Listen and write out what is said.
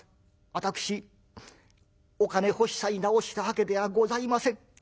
私お金欲しさに治したわけではございません。